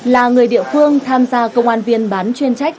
là người địa phương tham gia công an viên bán chuyên trách